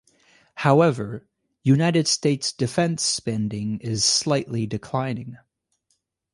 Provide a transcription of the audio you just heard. However, United States defense spending is slightly declining.